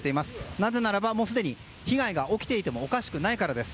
なぜならばすでに被害が起きていてもおかしくないからです。